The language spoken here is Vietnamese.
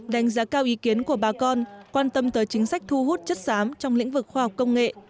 đánh giá cao ý kiến của bà con quan tâm tới chính sách thu hút chất xám trong lĩnh vực khoa học công nghệ